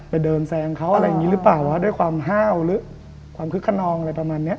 เดินแซงเขาอะไรอย่างนี้หรือเปล่าว่าด้วยความห้าวหรือความคึกขนองอะไรประมาณนี้